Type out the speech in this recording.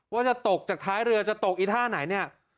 ว่าจะตกจากท้ายเรือจะตกอีท่าไหนเนี่ย